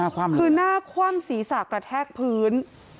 คือหน้าคว่ำศีรษะกระแทกพื้น